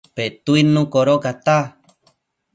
Petuidnu codocata